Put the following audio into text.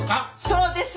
そうです。